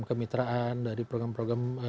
kemitraan dari program program